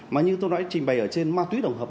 mà như tôi đã trình bày ở trên ma túy tổng hợp